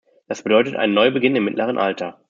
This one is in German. Das bedeutet einen Neubeginn im mittleren Alter.